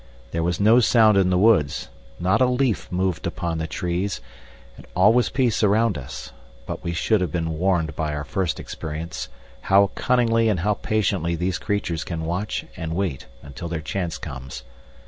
There was no sound in the woods not a leaf moved upon the trees, and all was peace around us but we should have been warned by our first experience how cunningly and how patiently these creatures can watch and wait until their chance comes.